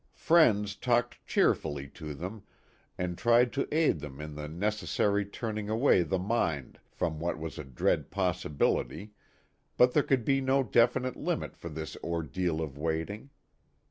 Friends talked cheerfully to them and tried to aid them in the necessary turning away the 98 A LONG HORROR. mind from what was a dread possibility, but there could be no definite limit for this ordeal of waiting.